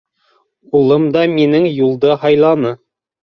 Улым да минең юлды һайланы.